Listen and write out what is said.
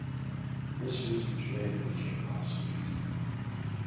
This usage later became obsolete.